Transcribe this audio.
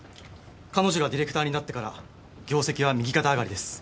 彼女がディレクターになってから業績は右肩上がりです。